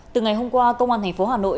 từ ngày hôm qua công an tp hà nội